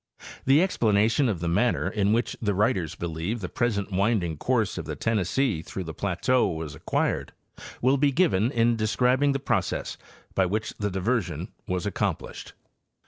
The explanation of the manner in which the writers believe the present winding course of the Tennessee tarough the plateau was acquired will be given in describing the process by which the diversion was accomplished.